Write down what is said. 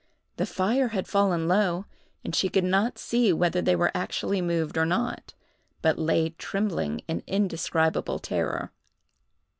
The fire had fallen low, and she could not see whether they were actually moved or not, but lay trembling in indescribable terror.